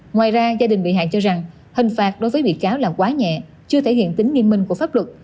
ngoài ra gia đình bị hại cho rằng hình phạt đối với bị cáo là quá nhẹ chưa thể hiện tính nghiêm minh của pháp luật